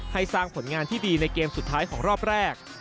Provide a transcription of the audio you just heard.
ให้สร้างผลงานที่ดีในเกมสุดท้ายของรอบแรก